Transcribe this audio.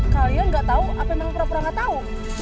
kalian nggak tahu apa memang pura pura nggak tahu